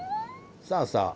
さあさあ